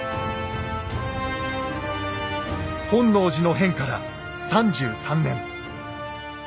本能寺の変から３３年。